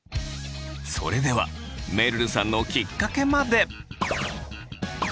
それではめるるさんのきっかけまで。